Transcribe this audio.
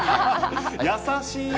優しい。